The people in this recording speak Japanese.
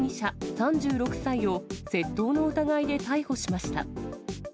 ３６歳を、窃盗の疑いで逮捕しました。